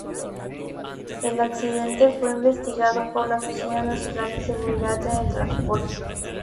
El accidente fue investigado por la Oficina Nacional de Seguridad en el Transporte.